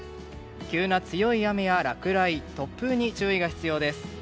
急な強い雨や落雷、突風に注意が必要です。